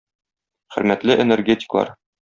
Хөрмәтле энергетиклар!